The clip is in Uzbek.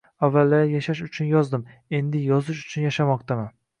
Avvallari yashash uchun yozdim, endi yozish uchun yashamoqdaman.